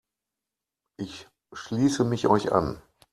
Ich schließe mich euch an.